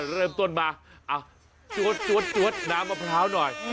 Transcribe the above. เริ่มต้นมาจวดน้ำมะพร้าวหน่อย